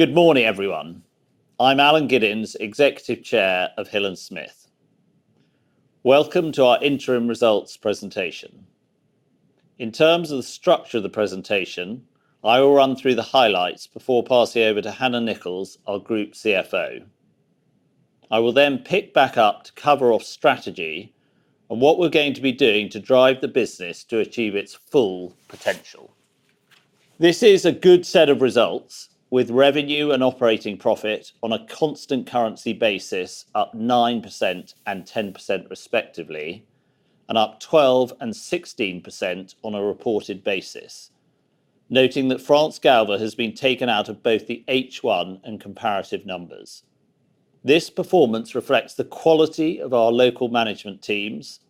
Good morning, everyone. I'm Alan Giddins, Executive Chair of Hill & Smith. Welcome to our interim results presentation. In terms of the structure of the presentation, I will run through the highlights before passing over to Hannah Nichols, our Group CFO. I will then pick back up to cover off strategy and what we're going to be doing to drive the business to achieve its full potential. This is a good set of results with revenue and operating profit on a constant currency basis up 9% and 10% respectively, and up 12% and 16% on a reported basis. Noting that France Galva has been taken out of both the H1 and comparative numbers. This performance reflects the quality of our local management teams,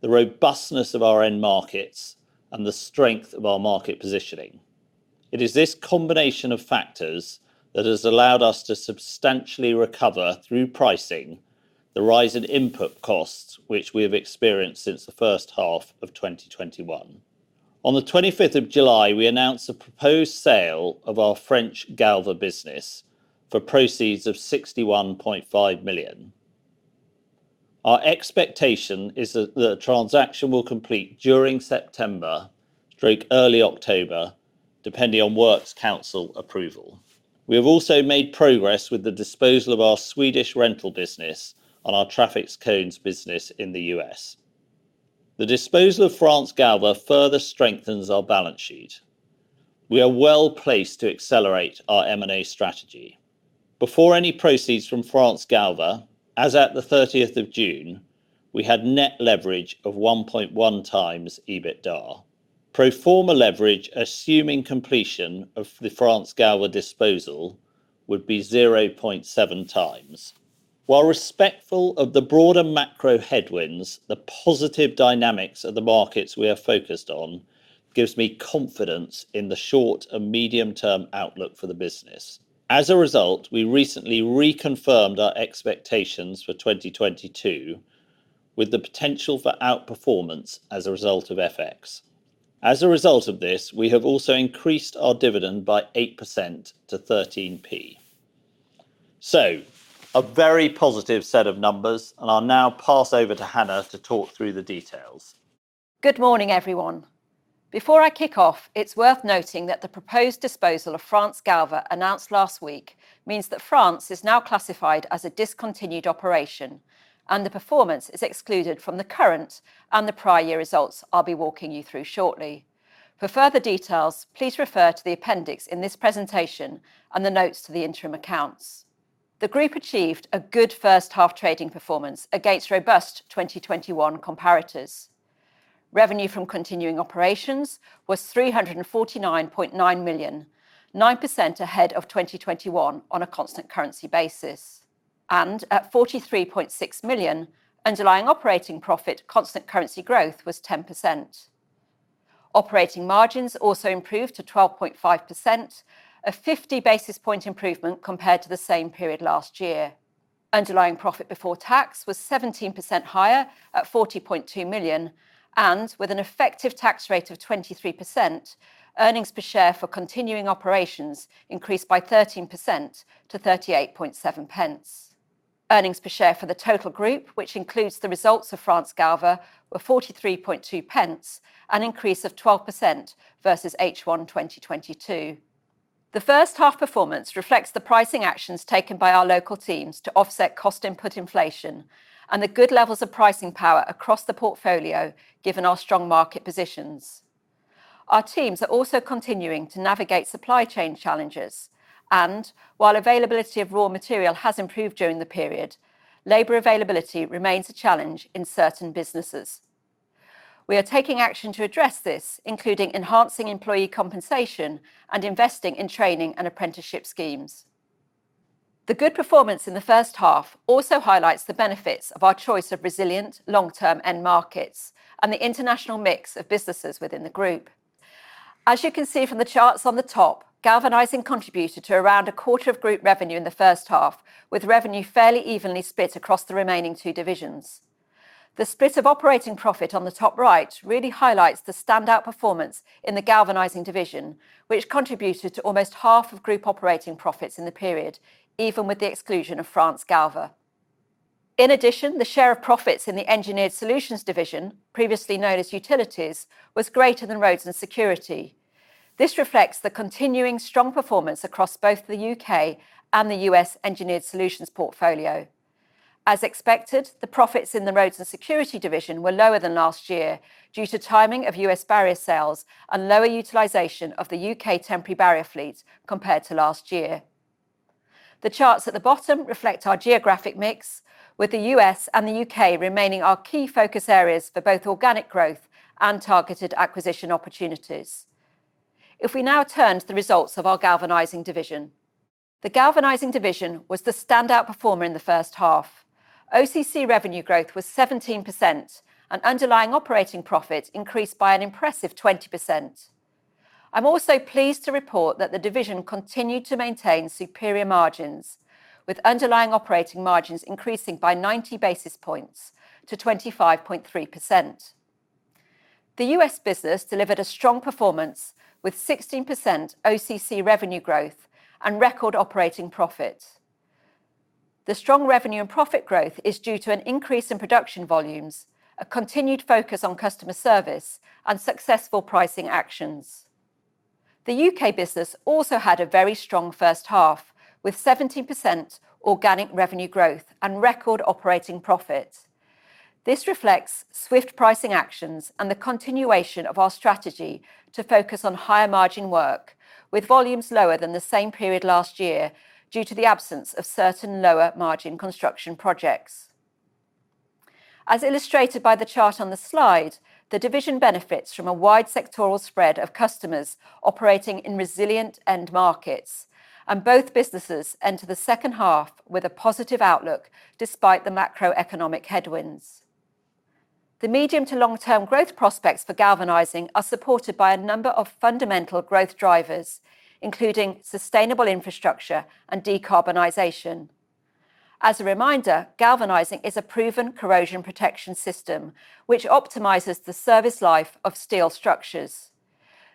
the robustness of our end markets, and the strength of our market positioning. It is this combination of factors that has allowed us to substantially recover through pricing the rise in input costs, which we have experienced since the first half of 2021. On the 25th of July, we announced a proposed sale of our France Galva business for proceeds of 61.5 million. Our expectation is that the transaction will complete during September through early October, depending on works council approval. We have also made progress with the disposal of our Swedish rental business and our Traffic Cones business in the U.S. The disposal of France Galva further strengthens our balance sheet. We are well-placed to accelerate our M&A strategy. Before any proceeds from France Galva, as at the 30th of June, we had net leverage of 1.1x EBITDA. Pro forma leverage, assuming completion of the France Galva disposal, would be 0.7x. While respectful of the broader macro headwinds, the positive dynamics of the markets we are focused on gives me confidence in the short and medium-term outlook for the business. As a result, we recently reconfirmed our expectations for 2022 with the potential for outperformance as a result of FX. As a result of this, we have also increased our dividend by 8% to 13%. A very positive set of numbers, and I'll now pass over to Hannah to talk through the details. Good morning, everyone. Before I kick off, it's worth noting that the proposed disposal of France Galva announced last week means that France Galva is now classified as a discontinued operation, and the performance is excluded from the current and the prior year results I'll be walking you through shortly. For further details, please refer to the appendix in this presentation and the notes to the interim accounts. The group achieved a good first half trading performance against robust 2021 comparators. Revenue from continuing operations was 349.9 million, 9% ahead of 2021 on a constant currency basis. At 43.6 million, underlying operating profit constant currency growth was 10%. Operating margins also improved to 12.5%, a 50 basis point improvement compared to the same period last year. Underlying profit before tax was 17% higher at 40.2 million, and with an effective tax rate of 23%, earnings per share for continuing operations increased by 13% to 0.387. Earnings per share for the total group, which includes the results of France Galva, were 0.432, an increase of 12% versus H1 2022. The first half performance reflects the pricing actions taken by our local teams to offset cost input inflation and the good levels of pricing power across the portfolio given our strong market positions. Our teams are also continuing to navigate supply chain challenges, and while availability of raw material has improved during the period, labor availability remains a challenge in certain businesses. We are taking action to address this, including enhancing employee compensation and investing in training and apprenticeship schemes. The good performance in the first half also highlights the benefits of our choice of resilient long-term end markets and the international mix of businesses within the group. As you can see from the charts on the top, Galvanizing contributed to around a quarter of group revenue in the first half, with revenue fairly evenly split across the remaining two divisions. The split of operating profit on the top right really highlights the standout performance in the Galvanizing division, which contributed to almost half of group operating profits in the period, even with the exclusion of France Galva. In addition, the share of profits in the Engineered Solutions division, previously known as Utilities, was greater than Roads & Security. This reflects the continuing strong performance across both the U.K. and the U.S. Engineered Solutions portfolio. As expected, the profits in the Roads & Security division were lower than last year due to timing of U.S. barrier sales and lower utilization of the U.K. temporary barrier fleet compared to last year. The charts at the bottom reflect our geographic mix with the U.S. and the U.K. remaining our key focus areas for both organic growth and targeted acquisition opportunities. If we now turn to the results of our Galvanizing division. The Galvanizing division was the standout performer in the first half. OCC revenue growth was 17%, and underlying operating profit increased by an impressive 20%. I'm also pleased to report that the division continued to maintain superior margins, with underlying operating margins increasing by 90 basis points to 25.3%. The U.S. business delivered a strong performance with 16% OCC revenue growth and record operating profit. The strong revenue and profit growth is due to an increase in production volumes, a continued focus on customer service, and successful pricing actions. The U.K. business also had a very strong first half, with 70% organic revenue growth and record operating profit. This reflects swift pricing actions and the continuation of our strategy to focus on higher margin work, with volumes lower than the same period last year due to the absence of certain lower margin construction projects. As illustrated by the chart on the slide, the division benefits from a wide sectoral spread of customers operating in resilient end markets, and both businesses enter the second half with a positive outlook despite the macroeconomic headwinds. The medium to long-term growth prospects for galvanizing are supported by a number of fundamental growth drivers, including sustainable infrastructure and decarbonization. As a reminder, galvanizing is a proven corrosion protection system which optimizes the service life of steel structures.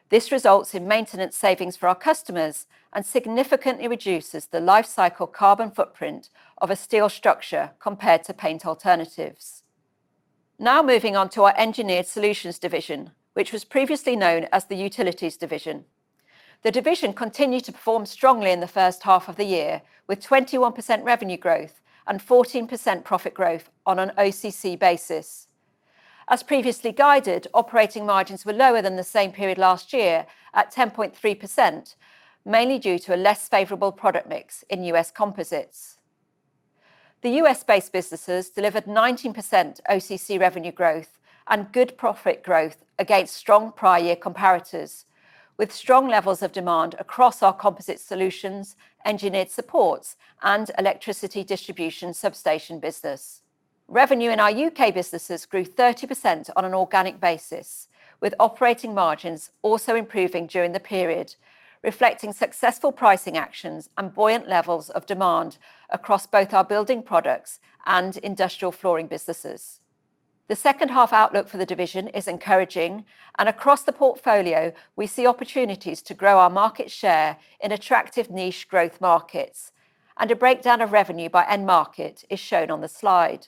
This results in maintenance savings for our customers and significantly reduces the life cycle carbon footprint of a steel structure compared to paint alternatives. Now moving on to our Engineered Solutions division, which was previously known as the Utilities division. The division continued to perform strongly in the first half of the year, with 21% revenue growth and 14% profit growth on an OCC basis. As previously guided, operating margins were lower than the same period last year at 10.3%, mainly due to a less favorable product mix in U.S. composites. The U.S.-based businesses delivered 19% OCC revenue growth and good profit growth against strong prior year comparators, with strong levels of demand across our composite solutions, engineered supports, and electricity distribution substation business. Revenue in our U.K. businesses grew 30% on an organic basis, with operating margins also improving during the period, reflecting successful pricing actions and buoyant levels of demand across both our building products and industrial flooring businesses. The second half outlook for the division is encouraging, and across the portfolio we see opportunities to grow our market share in attractive niche growth markets. A breakdown of revenue by end market is shown on the slide.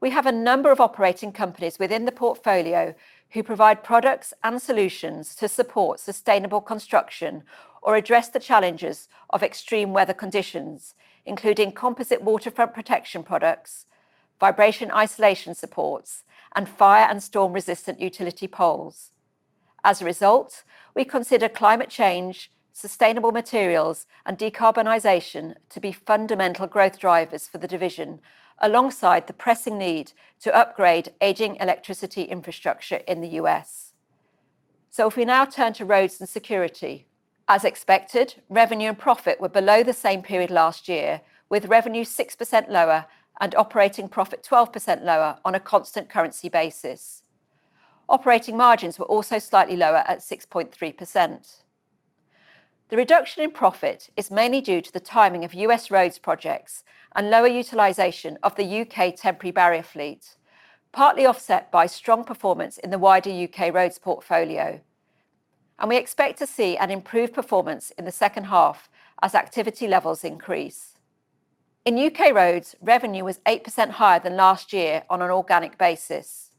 We have a number of operating companies within the portfolio who provide products and solutions to support sustainable construction or address the challenges of extreme weather conditions, including composite waterfront protection products, vibration isolation supports, and fire and storm-resistant utility poles. As a result, we consider climate change, sustainable materials, and decarbonization to be fundamental growth drivers for the division, alongside the pressing need to upgrade aging electricity infrastructure in the U.S. If we now turn to Roads & Security. As expected, revenue and profit were below the same period last year, with revenue 6% lower and operating profit 12% lower on a constant currency basis. Operating margins were also slightly lower at 6.3%. The reduction in profit is mainly due to the timing of U.S. roads projects and lower utilization of the U.K. temporary barrier fleet, partly offset by strong performance in the wider U.K. roads portfolio. We expect to see an improved performance in the second half as activity levels increase. In U.K. roads, revenue was 8% higher than last year on an organic basis.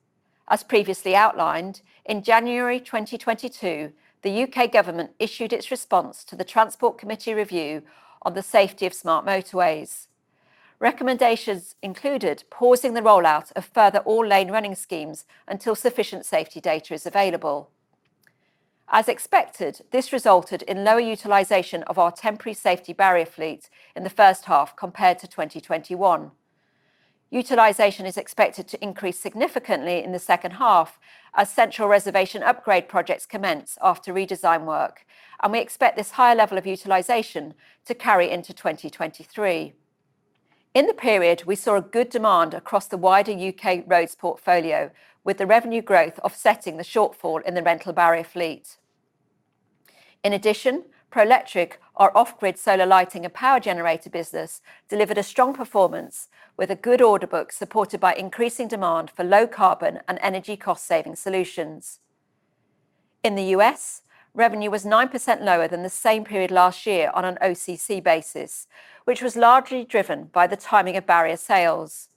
As previously outlined, in January 2022, the U.K. government issued its response to the Transport Committee review on the safety of smart motorways. Recommendations included pausing the rollout of further all-lane running schemes until sufficient safety data is available. As expected, this resulted in lower utilization of our temporary safety barrier fleet in the first half compared to 2021. Utilization is expected to increase significantly in the second half as central reservation upgrade projects commence after redesign work, and we expect this higher level of utilization to carry into 2023. In the period, we saw a good demand across the wider U.K. roads portfolio, with the revenue growth offsetting the shortfall in the rental barrier fleet. In addition, Prolectric, our off-grid solar lighting and power generator business, delivered a strong performance with a good order book supported by increasing demand for low carbon and energy cost saving solutions. In the U.S., revenue was 9% lower than the same period last year on an OCC basis, which was largely driven by the timing of barrier sales.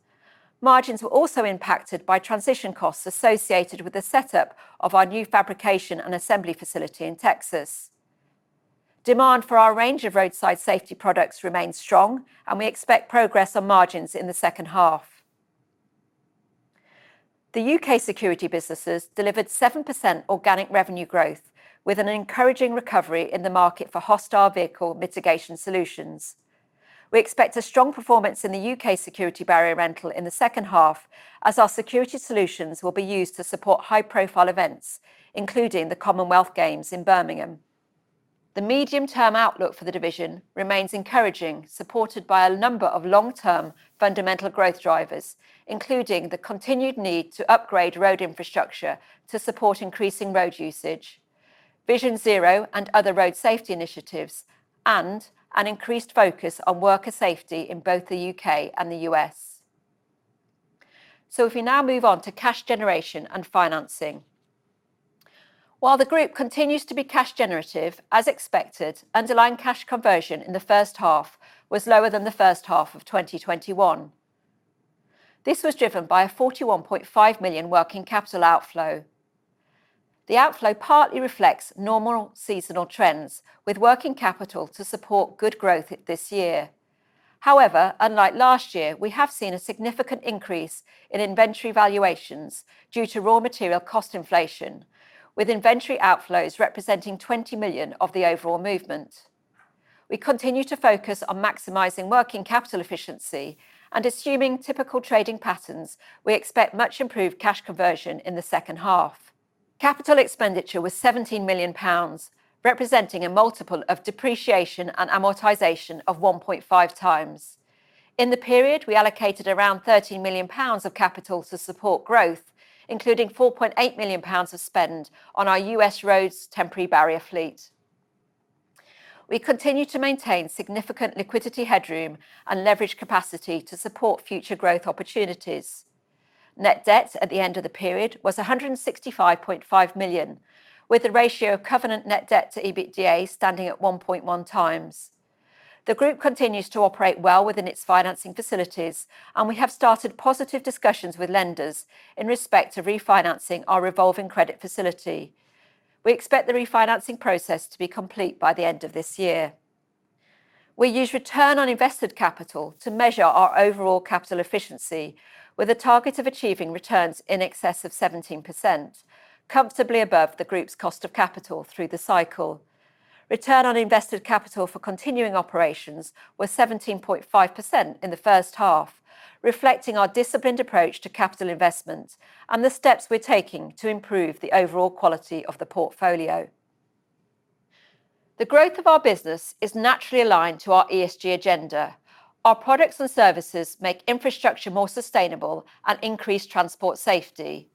Margins were also impacted by transition costs associated with the setup of our new fabrication and assembly facility in Texas. Demand for our range of roadside safety products remains strong, and we expect progress on margins in the second half. The U.K. security businesses delivered 7% organic revenue growth, with an encouraging recovery in the market for hostile vehicle mitigation solutions. We expect a strong performance in the U.K. security barrier rental in the second half as our security solutions will be used to support high-profile events, including the Commonwealth Games in Birmingham. The medium-term outlook for the division remains encouraging, supported by a number of long-term fundamental growth drivers, including the continued need to upgrade road infrastructure to support increasing road usage, Vision Zero and other road safety initiatives, and an increased focus on worker safety in both the U.K. and the U.S. If we now move on to cash generation and financing. While the group continues to be cash generative as expected, underlying cash conversion in the first half was lower than the first half of 2021. This was driven by a 41.5 million working capital outflow. The outflow partly reflects normal seasonal trends with working capital to support good growth this year. However, unlike last year, we have seen a significant increase in inventory valuations due to raw material cost inflation, with inventory outflows representing 20 million of the overall movement. We continue to focus on maximizing working capital efficiency and assuming typical trading patterns, we expect much improved cash conversion in the second half. Capital expenditure was 17 million pounds, representing a multiple of depreciation and amortization of 1.5x. In the period, we allocated around 13 million pounds of capital to support growth, including 4.8 million pounds of spend on our U.S. roads temporary barrier fleet. We continue to maintain significant liquidity headroom and leverage capacity to support future growth opportunities. Net debt at the end of the period was 165.5 million, with a ratio of covenant net debt to EBITDA standing at 1.1x. The group continues to operate well within its financing facilities, and we have started positive discussions with lenders in respect to refinancing our revolving credit facility. We expect the refinancing process to be complete by the end of this year. We use return on invested capital to measure our overall capital efficiency with a target of achieving returns in excess of 17%, comfortably above the group's cost of capital through the cycle. Return on invested capital for continuing operations was 17.5% in the first half, reflecting our disciplined approach to capital investment and the steps we're taking to improve the overall quality of the portfolio. The growth of our business is naturally aligned to our ESG agenda. Our products and services make infrastructure more sustainable and increase transport safety.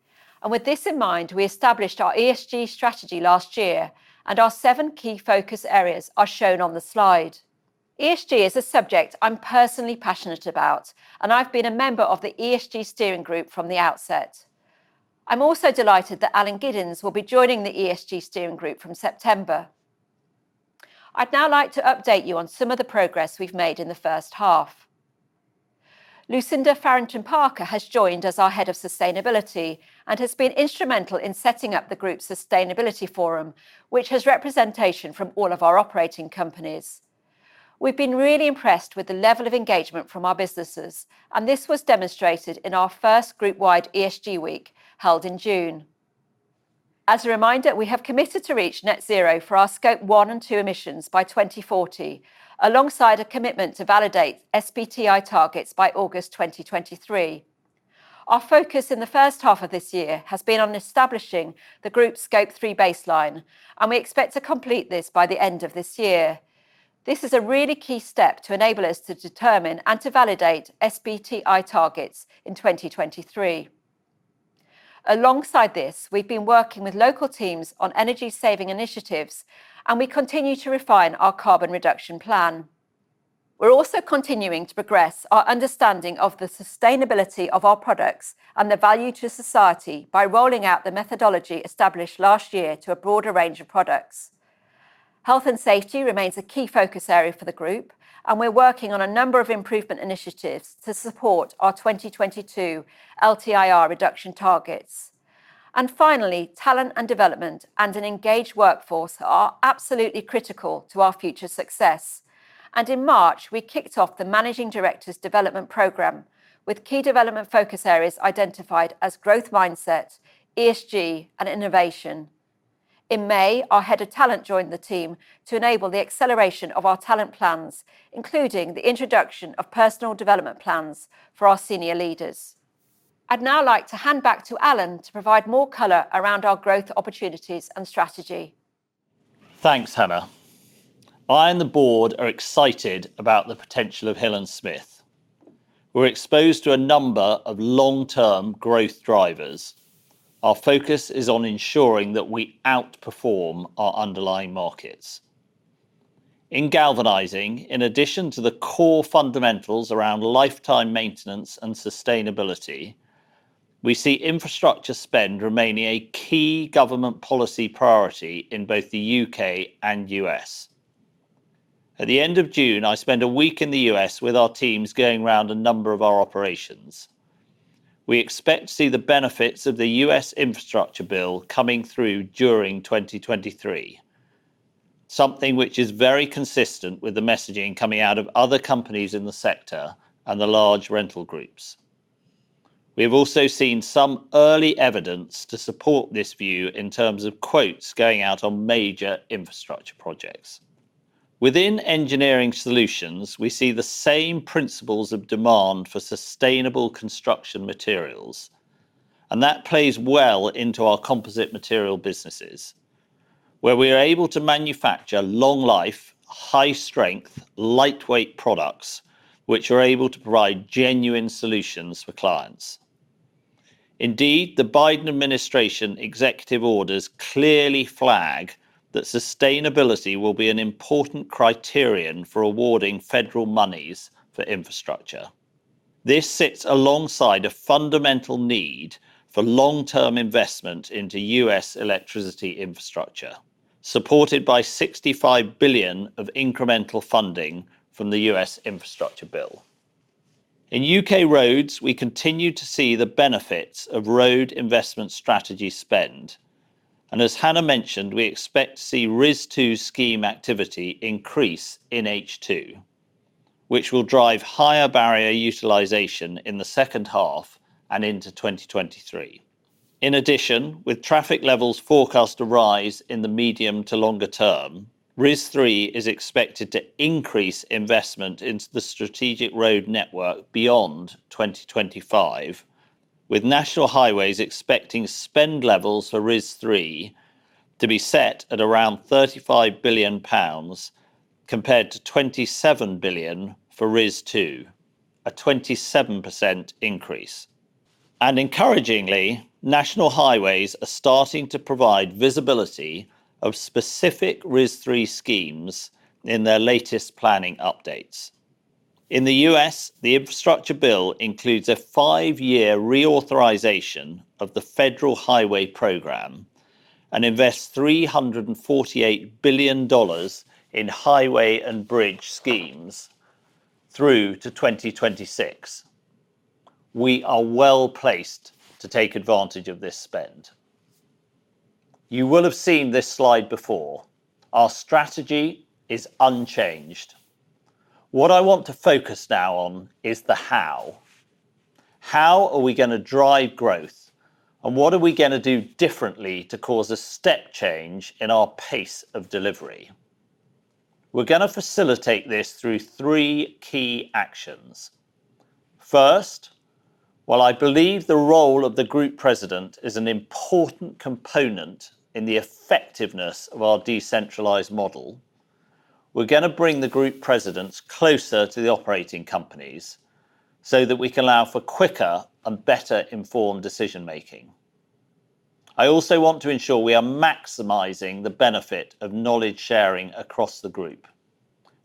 With this in mind, we established our ESG strategy last year, and our seven key focus areas are shown on the slide. ESG is a subject I'm personally passionate about, and I've been a member of the ESG steering group from the outset. I'm also delighted that Alan Giddins will be joining the ESG steering group from September. I'd now like to update you on some of the progress we've made in the first half. Lucinda Farrington-Parker has joined as our head of sustainability and has been instrumental in setting up the group's sustainability forum, which has representation from all of our operating companies. We've been really impressed with the level of engagement from our businesses, and this was demonstrated in our first group-wide ESG week held in June. As a reminder, we have committed to reach net zero for our Scope 1 and 2 emissions by 2040 alongside a commitment to validate SBTi targets by August 2023. Our focus in the first half of this year has been on establishing the group's Scope 3 baseline, and we expect to complete this by the end of this year. This is a really key step to enable us to determine and to validate SBTi targets in 2023. Alongside this, we've been working with local teams on energy saving initiatives, and we continue to refine our carbon reduction plan. We're also continuing to progress our understanding of the sustainability of our products and the value to society by rolling out the methodology established last year to a broader range of products. Health and safety remains a key focus area for the group, and we're working on a number of improvement initiatives to support our 2022 LTIR reduction targets. Finally, talent and development and an engaged workforce are absolutely critical to our future success. In March, we kicked off the managing director's development program with key development focus areas identified as growth mindset, ESG, and innovation. In May, our head of talent joined the team to enable the acceleration of our talent plans, including the introduction of personal development plans for our senior leaders. I'd now like to hand back to Alan to provide more color around our growth opportunities and strategy. Thanks, Hannah. I and the board are excited about the potential of Hill & Smith. We're exposed to a number of long-term growth drivers. Our focus is on ensuring that we outperform our underlying markets. In Galvanizing, in addition to the core fundamentals around lifetime maintenance and sustainability, we see infrastructure spend remaining a key government policy priority in both the U.K. and U.S. At the end of June, I spent a week in the U.S. with our teams going around a number of our operations. We expect to see the benefits of the U.S. infrastructure bill coming through during 2023. Something which is very consistent with the messaging coming out of other companies in the sector and the large rental groups. We have also seen some early evidence to support this view in terms of quotes going out on major infrastructure projects. Within Engineering Solutions, we see the same principles of demand for sustainable construction materials, and that plays well into our composite solutions businesses, where we are able to manufacture long life, high strength, lightweight products, which are able to provide genuine solutions for clients. Indeed, the Biden administration executive orders clearly flag that sustainability will be an important criterion for awarding federal monies for infrastructure. This sits alongside a fundamental need for long-term investment into U.S. electricity infrastructure, supported by $65 billion of incremental funding from the U.S. infrastructure bill. In U.K. roads, we continue to see the benefits of Road Investment Strategy spend. As Hannah mentioned, we expect to see RIS2 scheme activity increase in H2, which will drive higher barrier utilization in the second half and into 2023. In addition, with traffic levels forecast to rise in the medium to longer term, RIS3 is expected to increase investment into the strategic road network beyond 2025, with National Highways expecting spend levels for RIS3 to be set at around 35 billion pounds compared to 27 billion for RIS2, a 27% increase. Encouragingly, National Highways are starting to provide visibility of specific RIS3 schemes in their latest planning updates. In the U.S., the infrastructure bill includes a five-year reauthorization of the Federal Highway Program and invests $348 billion in highway and bridge schemes through to 2026. We are well-placed to take advantage of this spend. You will have seen this slide before. Our strategy is unchanged. What I want to focus now on is the how. How are we gonna drive growth and what are we gonna do differently to cause a step change in our pace of delivery? We're gonna facilitate this through three key actions. First, while I believe the role of the group president is an important component in the effectiveness of our decentralized model, we're gonna bring the group presidents closer to the operating companies so that we can allow for quicker and better informed decision-making. I also want to ensure we are maximizing the benefit of knowledge sharing across the group.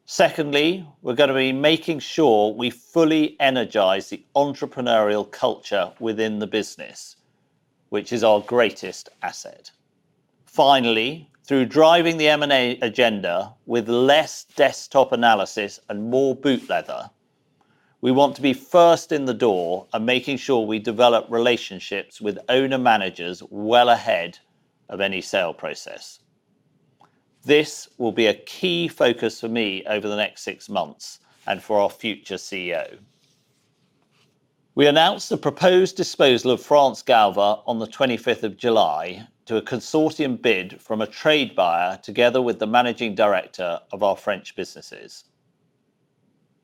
Secondly, we're gonna be making sure we fully energize the entrepreneurial culture within the business, which is our greatest asset. Finally, through driving the M&A agenda with less desktop analysis and more boot leather, we want to be first in the door and making sure we develop relationships with owner managers well ahead of any sale process. This will be a key focus for me over the next six months and for our future CEO. We announced the proposed disposal of France Galva on the 25th of July to a consortium bid from a trade buyer together with the managing director of our French businesses.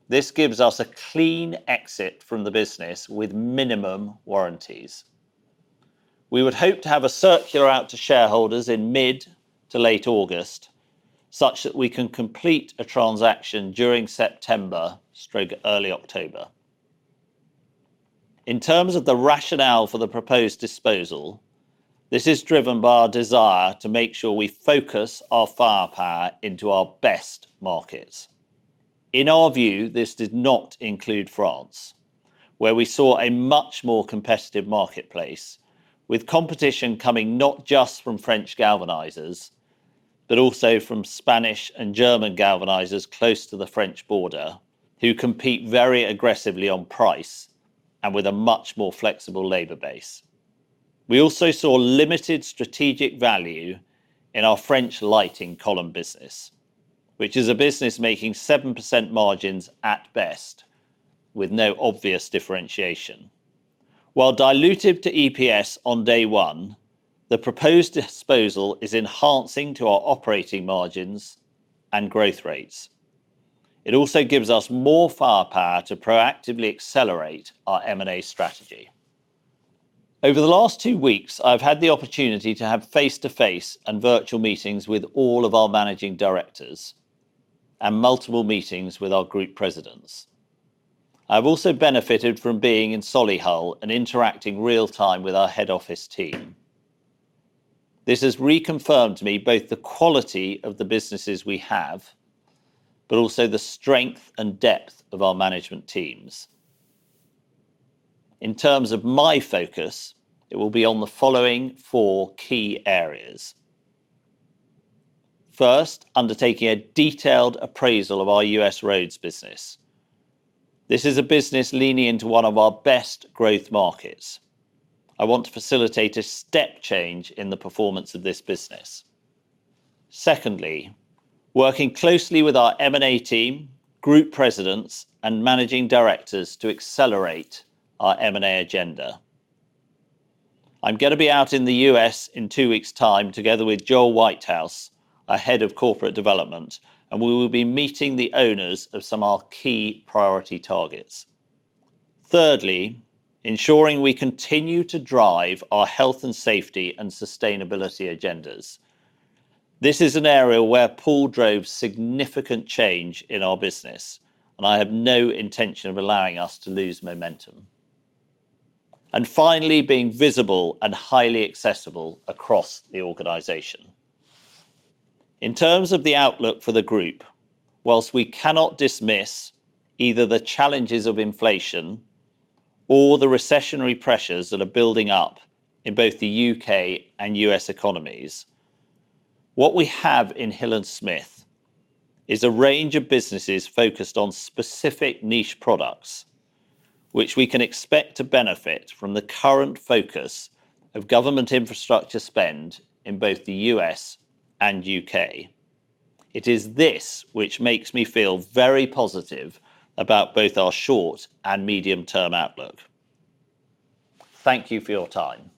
This gives us a clean exit from the business with minimum warranties. We would hope to have a circular out to shareholders in mid to late August such that we can complete a transaction during September/early October. In terms of the rationale for the proposed disposal, this is driven by our desire to make sure we focus our firepower into our best markets. In our view, this did not include France, where we saw a much more competitive marketplace with competition coming not just from French galvanizers, but also from Spanish and German galvanizers close to the French border who compete very aggressively on price and with a much more flexible labor base. We also saw limited strategic value in our French lighting column business, which is a business making 7% margins at best with no obvious differentiation. While dilutive to EPS on day one, the proposed disposal is enhancing to our operating margins and growth rates. It also gives us more firepower to proactively accelerate our M&A strategy. Over the last two weeks, I've had the opportunity to have face-to-face and virtual meetings with all of our managing directors and multiple meetings with our group presidents. I've also benefited from being in Solihull and interacting real time with our head office team. This has reconfirmed to me both the quality of the businesses we have, but also the strength and depth of our management teams. In terms of my focus, it will be on the following four key areas. First, undertaking a detailed appraisal of our U.S. roads business. This is a business leaning into one of our best growth markets. I want to facilitate a step change in the performance of this business. Secondly, working closely with our M&A team, group presidents, and managing directors to accelerate our M&A agenda. I'm gonna be out in the U.S. in two weeks time together with Joel Whitehouse, our head of corporate development, and we will be meeting the owners of some of our key priority targets. Thirdly, ensuring we continue to drive our health and safety and sustainability agendas. This is an area where Paul drove significant change in our business, and I have no intention of allowing us to lose momentum. Finally, being visible and highly accessible across the organization. In terms of the outlook for the group, while we cannot dismiss either the challenges of inflation or the recessionary pressures that are building up in both the U.K. and U.S. economies, what we have in Hill & Smith is a range of businesses focused on specific niche products which we can expect to benefit from the current focus of government infrastructure spend in both the U.S. and U.K. It is this which makes me feel very positive about both our short and medium-term outlook. Thank you for your time.